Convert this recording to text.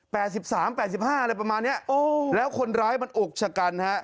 แปดสิบสามแปดสิบห้าอะไรประมาณนี้แล้วคนร้ายมันอกฉกัน